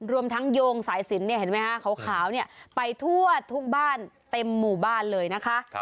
รวมทั้งโยงสายสินเห็นไหมคะขาวไปทั่วทุกบ้านเต็มหมู่บ้านเลยนะคะ